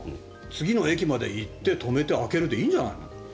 次の駅まで行って開けて止めるでいいんじゃないの。